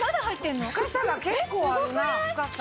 深さが結構あるな深さ。